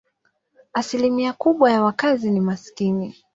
Asilimia kubwa ya wakazi ni maskini.